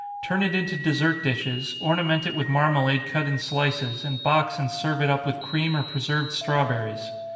Turn it into dessert dishes, ornament it with marmalade cut in slices, and box and serve it up with cream or preserved strawberries.